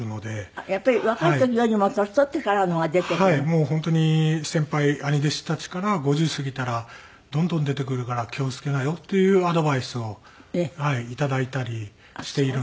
もう本当に先輩兄弟子たちから「５０過ぎたらどんどん出てくるから気を付けなよ」っていうアドバイスをいただいたりしているので。